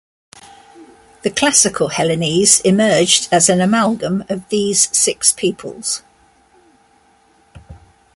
The classical Hellenes emerged as an amalgam of these six peoples.